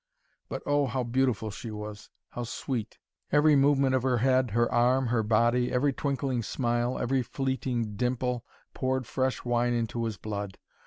But oh, how beautiful she was, how sweet! Every movement of her head, her arm, her body, every twinkling smile, every fleeting dimple, poured fresh wine into his blood.